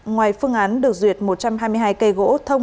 ngoài phương án được duyệt một trăm hai mươi hai cây gỗ thông